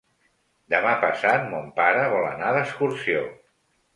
Demà passat mon pare vol anar d'excursió.